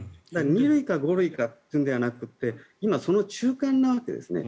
２類か５類かなのではなくて今、その中間なわけですね。